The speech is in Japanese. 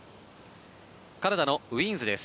カナダのウィーンズです。